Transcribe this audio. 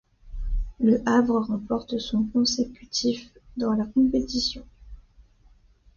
Le Havre remporte son consécutif dans la compétition.